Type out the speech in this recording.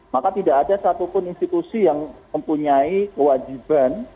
maka tidak ada satupun institusi yang mempunyai kewajiban